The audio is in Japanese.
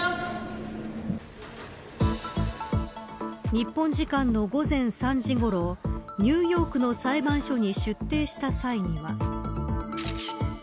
日本時間の午前３時ごろニューヨークの裁判所に出廷した際には。